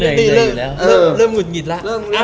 เออเริ่มหวืดหวีดละ